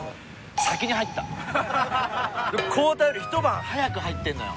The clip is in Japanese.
孝太郎より一晩早く入ってんのよ。